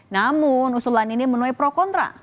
namun usulan ini menuai pro kontra